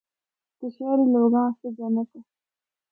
تے شہری لوگاں آسطے جنّت اے۔